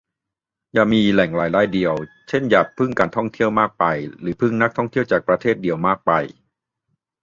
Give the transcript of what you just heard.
อย่ามีแหล่งรายได้เดียว เช่น อย่าพึ่งการท่องเที่ยวมากไป หรือพึ่งนักท่องเที่ยวจากประเทศเดียวมากไป